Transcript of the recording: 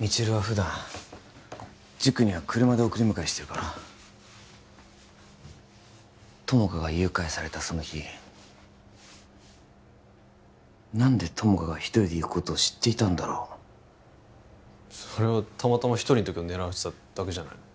未知留は普段塾には車で送り迎えしてるから友果が誘拐されたその日何で友果が一人で行くことを知っていたんだろうそれはたまたま一人の時を狙われてただけじゃないの？